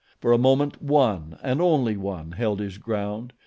For a moment one and one only held his ground.